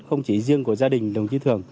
không chỉ riêng của gia đình đồng chí thường